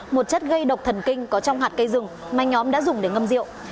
một chất gây độc thần kinh có trong hạt cây rừng mà nhóm đã dùng để ngâm rượu